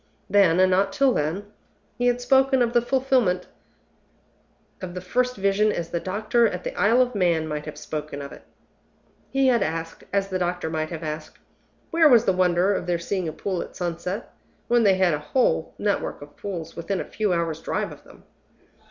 Then, and not till then, he had spoken of the fulfillment of the first Vision as the doctor at the Isle of Man might have spoken of it. He had asked, as the doctor might have asked, Where was the wonder of their seeing a pool at sunset, when they had a whole network of pools within a few hours' drive of them?